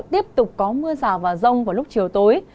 tiếp tục có mưa rào và rông vào lúc chiều tối